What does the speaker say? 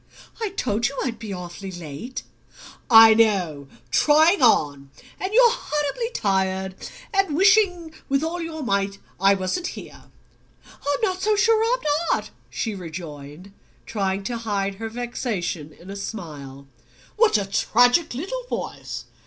"I told you I'd be awfully late." "I know trying on! And you're horribly tired, and wishing with all your might I wasn't here." "I'm not so sure I'm not!" she rejoined, trying to hide her vexation in a smile. "What a tragic little voice!